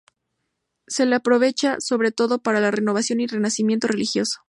Se le aprovecha, sobre todo, para la renovación y renacimiento religioso.